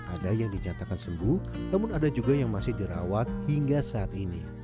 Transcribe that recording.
ada yang dinyatakan sembuh namun ada juga yang masih dirawat hingga saat ini